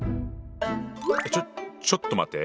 ちょちょっと待って。